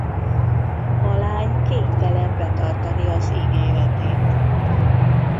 A lány kénytelen betartani az ígéretét.